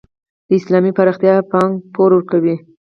د اسلامي پراختیا بانک پور ورکوي؟